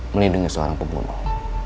melindungi seorang pembunuh